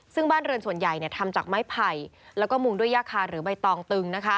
ซึ่งบ้านเรือนส่วนใหญ่ทำจากไม้ไผ่แล้วก็มุงด้วยย่าคาหรือใบตองตึง